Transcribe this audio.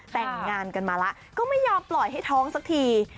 แต่งงานกันมาแล้วก็ไม่ยอมปล่อยให้ท้องสักที